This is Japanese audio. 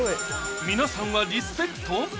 皆さんはリスペクト？